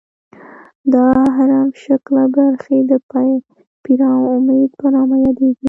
دا هرم شکله برخې د پیرامید په نامه یادیږي.